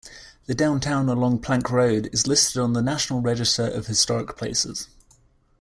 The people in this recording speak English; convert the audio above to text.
The downtown along Plank Road is listed on the National Register of Historic Places.